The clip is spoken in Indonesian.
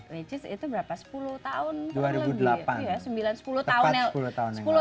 which is itu berapa sepuluh tahun